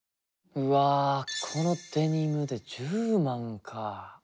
うわこのデニムで１０万か。